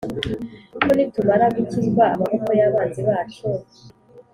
Ko nitumara gukizwa amaboko y abanzi bacu